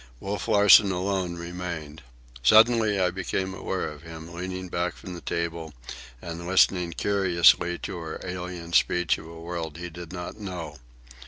Wolf Larsen alone remained. Suddenly I became aware of him, leaning back from the table and listening curiously to our alien speech of a world he did not know.